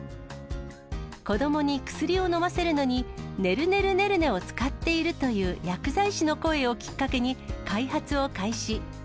子どもに薬を飲ませるのに、ねるねるねるねを使っているという薬剤師の声をきっかけに、開発を開始。